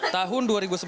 jadi itu sih